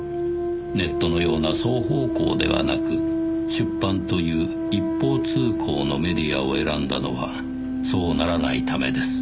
「ネットのような双方向ではなく出版という一方通行のメディアを選んだのはそうならないためです」